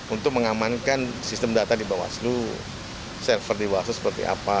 untuk mengamankan sistem data di bawaslu server di bawaslu seperti apa